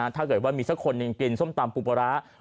ถ้าเกิดว่ามีสักคนหนึ่งกินส้มตำปูปลาร้า